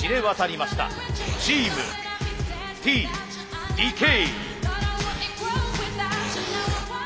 チームＴ・ＤＫ。